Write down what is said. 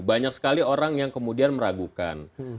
banyak sekali orang yang kemudian meragukan